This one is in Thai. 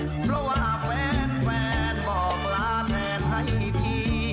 เพราะว่าแฟนบอกลาแทนให้ที